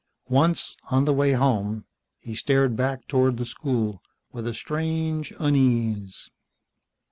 Once, on the way home, he stared back toward the school with strange unease.